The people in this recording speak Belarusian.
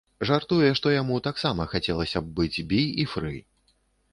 Жартуе, што яму таксама хацелася б быць бі і фры.